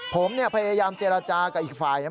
ผมเนี่ยพยายามเจรจากับอีกฝ่ายนะ